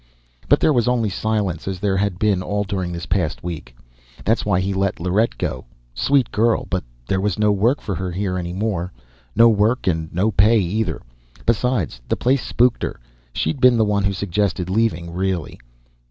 But there was only silence, as there had been all during this past week. That's why he let Lorette go. Sweet girl, but there was no work for her here any more. No work, and no pay, either. Besides, the place spooked her. She'd been the one who suggested leaving, really.